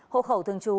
hộ khẩu thường trú